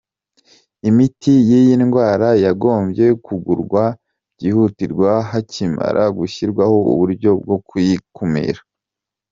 "Imiti y'iyi ndwara yagombye kugurwa byihutirwa hakimara gushyirwaho uburyo bwo kuyikumira.